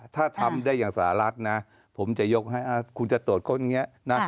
ถ้าทำได้อย่างสหรัฐนะผมจะยกให้คุณจะตรวจค้นอย่างนี้นะ